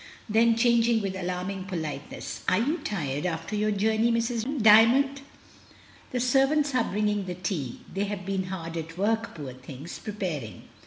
Then, changing with alarming politeness, "Are you tired after your journey, Mrs, Dymond? The servants are bringing the tea; they have been hard at work, poor things, preparing.